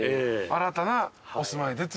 新たなお住まいでという。